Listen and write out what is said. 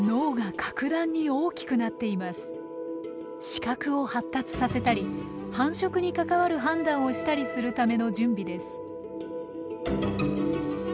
視覚を発達させたり繁殖に関わる判断をしたりするための準備です。